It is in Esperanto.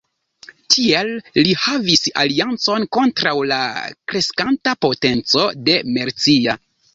Tiel li havis aliancon kontraŭ la kreskanta potenco de Mercia.